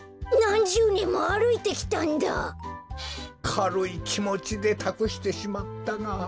かるいきもちでたくしてしまったが。